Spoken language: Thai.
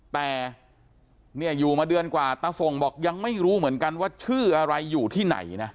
แต่เนี่ยอยู่มาเดือนกว่าตาส่งบอกยังไม่รู้เหมือนกันว่าชื่ออะไรอยู่ที่ไหนนะ